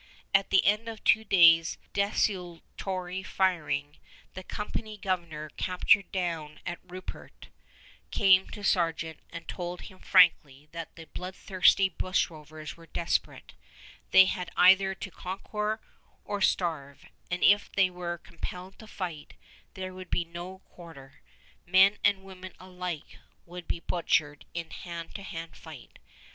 At the end of two days' desultory firing, the company Governor captured down at Rupert came to Sargeant and told him frankly that the bloodthirsty bushrovers were desperate; they had either to conquer or starve, and if they were compelled to fight, there would be no quarter. Men and women alike would be butchered in hand to hand fight.